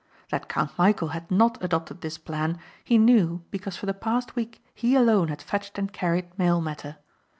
That Count Michæl had not adopted this plan he knew because for the past week he alone had fetched and carried mail matter.